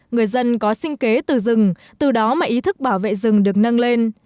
người dân có sinh kế từ rừng từ đó mà ý thức bảo vệ rừng được nâng lên